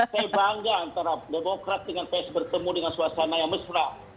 saya bangga antara demokrat dengan ps bertemu dengan suasana yang mesra